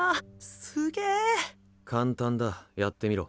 すげ簡単だやってみろ。